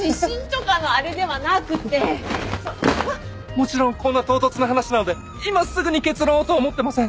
もちろんこんな唐突な話なので今すぐに結論をとは思ってません。